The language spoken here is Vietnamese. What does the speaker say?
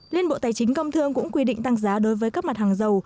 liên bộ tài chính công thương cũng quy định tăng giá đối với các mặt hàng dầu